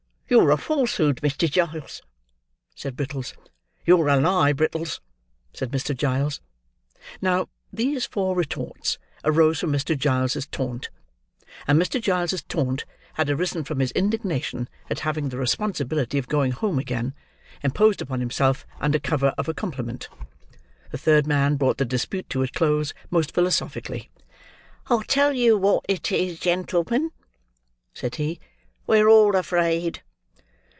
"You're a falsehood, Mr. Giles," said Brittles. "You're a lie, Brittles," said Mr. Giles. Now, these four retorts arose from Mr. Giles's taunt; and Mr. Giles's taunt had arisen from his indignation at having the responsibility of going home again, imposed upon himself under cover of a compliment. The third man brought the dispute to a close, most philosophically. "I'll tell you what it is, gentlemen," said he, "we're all afraid."